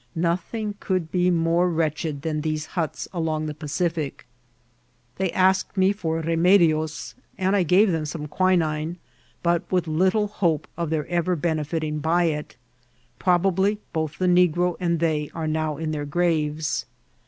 Nothing could be more wretched than these huts ak>ng the Pacific. They asked me for remedies, and I gave them som^ quinine, but with little hope of their ever benefiting by it. Probably both the negro and they are now in their graves.